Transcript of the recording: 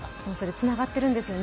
つながってるんですよね。